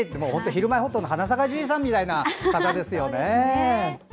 「ひるまえほっと」の花咲かじいさんみたいな方ですね。